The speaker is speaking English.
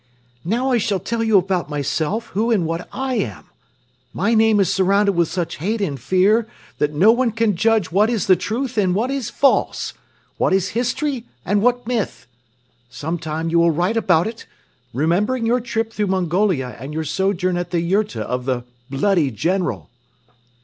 "Now I shall tell you about myself, who and what I am! My name is surrounded with such hate and fear that no one can judge what is the truth and what is false, what is history and what myth. Some time you will write about it, remembering your trip through Mongolia and your sojourn at the yurta of the 'bloody General.